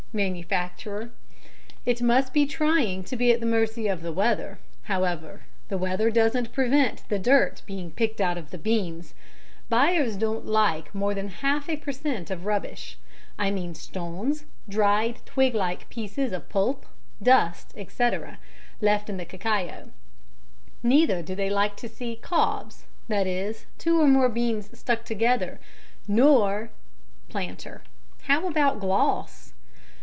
MANUFACTURER: It must be trying to be at the mercy of the weather. However, the weather doesn't prevent the dirt being picked out of the beans. Buyers don't like more than half a per cent. of rubbish; I mean stones, dried twig like pieces of pulp, dust, etc., left in the cacao, neither do they like to see "cobs," that is, two or more beans stuck together, nor . PLANTER: How about gloss?